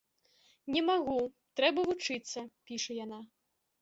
Не магу, трэба вучыцца, піша яна.